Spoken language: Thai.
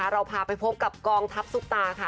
เราพาไปพบกับกองทัพซุปตาค่ะ